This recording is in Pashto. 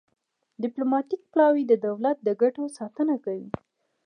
ډیپلوماتیک پلاوی د دولت د ګټو ساتنه کوي